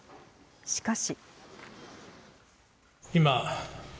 しかし。